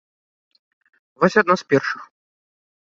Вось адна з першых.